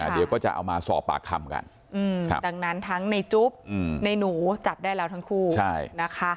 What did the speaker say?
เดี๋ยวก็จะเอามาสอบปากคำกันดังนั้นทั้งในจุ๊บในหนูจับได้แล้วทั้งคู่นะคะ